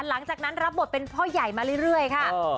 หลังจากนั้นรับบทเป็นพ่อใหญ่มาเรื่อยค่ะ